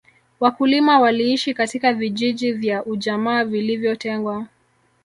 wakulima waliishi katika vijiji vya ujamaa vilivyotengwa